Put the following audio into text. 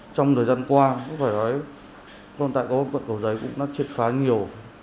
trong thời gian qua các bác sĩ đã triệt phá nhiều